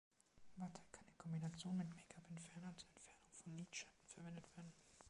Watte kann in Kombination mit Make-up-Entferner zur Entfernung von Lidschatten verwendet werden.